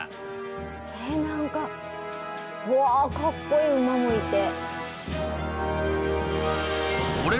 えっ何かうわかっこいい馬もいて。